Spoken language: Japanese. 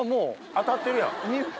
当たってるやん。